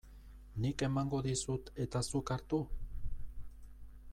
Nik emango dizut eta zuk hartu?